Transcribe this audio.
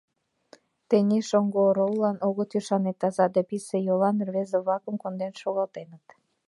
Тений шоҥго ороллан огыт ӱшане, таза да писе йолан рвезе-влакым конден шогалтеныт.